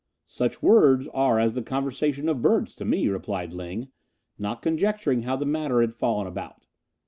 "Such words are as the conversation of birds to me," replied Ling, not conjecturing how the matter had fallen about.